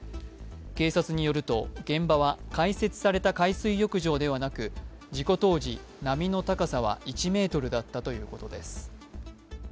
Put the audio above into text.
警察によると、現場は開設された海水浴場ではなく事故当時、波の高さは１ｍだったということです。